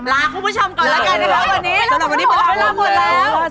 ลาคุณผู้ชมก่อนแล้วกันนะคะ